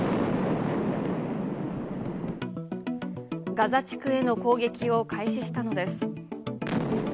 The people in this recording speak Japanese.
ガザ地区への攻撃を開始したのです。